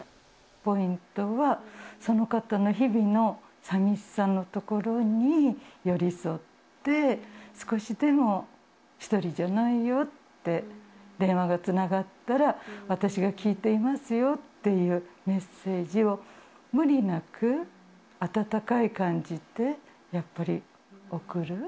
ポイントは、その方の日々のさみしさのところに寄り添って、少しでも１人じゃないよって、電話がつながったら、私が聞いてますよっていうメッセージを無理なく、温かい感じでやっぱり、送る。